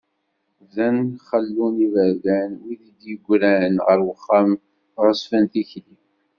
Bdan xellun iberdan, wid i d-yegran, ɣer wexxam ɣeṣben tikli.